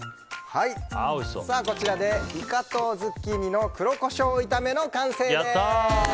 イカとズッキーニの黒コショウ炒めの完成です。